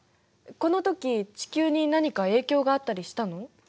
このとき地球に何か影響があったりしたの？